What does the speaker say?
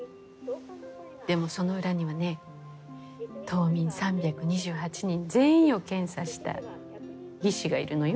でもその裏にはね島民３２８人全員を検査した技師がいるのよ。